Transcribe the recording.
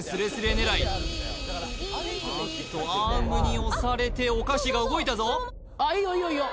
狙いあっとアームに押されてお菓子が動いたぞいいよいいよいいよ